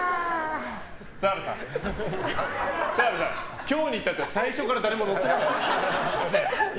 澤部さん、今日に至っては最初から誰も乗ってなかった。